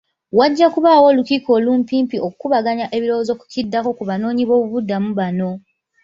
Wajja kubaawo olukiiko olumpimpi okukubaganya ebirowoozo ku kiddako ku baboonyiboobubudamu bano.